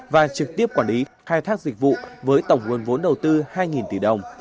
và trực tiếp quản lý khai thác dịch vụ với tổng nguồn vốn đầu tư hai tỷ đồng